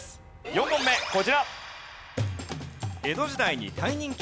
４問目こちら。